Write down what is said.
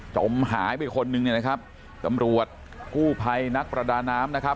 จมหายไปคนนึงเนี่ยนะครับตำรวจกู้ภัยนักประดาน้ำนะครับ